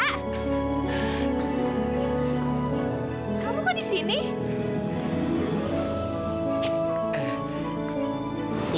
kamu kok di sini